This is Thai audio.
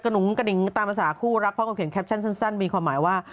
หนุงกระดิ่งตามภาษาคู่รักพร้อมกับเขียนแคปชั่นสั้นมีความหมายว่า